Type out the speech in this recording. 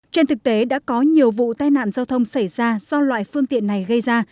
trên thực tế đã có nhiều vụ tai nạn giao thông xảy ra do loại phương tiện này gây ra